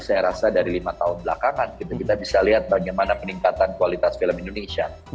saya rasa dari lima tahun belakangan kita bisa lihat bagaimana peningkatan kualitas film indonesia